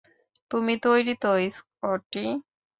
তুমি তৈরি তো, স্কটি?